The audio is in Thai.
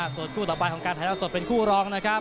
ส่วนคู่ต่อไปของการถ่ายแล้วสดเป็นคู่รองนะครับ